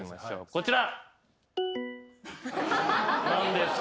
こちら。